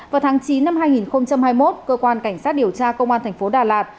vào tháng chín năm hai nghìn hai mươi một cơ quan cảnh sát điều tra công an thành phố đà lạt